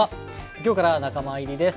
きょうから仲間入りです。